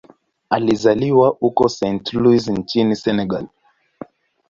Alizaliwa huko Saint-Louis nchini Senegal.